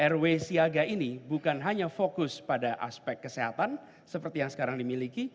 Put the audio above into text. rw siaga ini bukan hanya fokus pada aspek kesehatan seperti yang sekarang dimiliki